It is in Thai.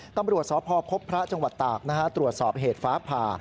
ตำรวจสพพบพระจังหวัดตากตรวจสอบเหตุฟ้าผ่า